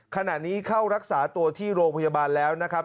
ขณะนี้เข้ารักษาตัวที่โรงพยาบาลแล้วนะครับ